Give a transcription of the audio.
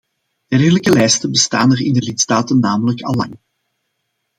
Dergelijke lijsten bestaan er in de lidstaten namelijk allang.